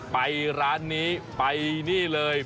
ไปร้านนี้ไปนี่เลย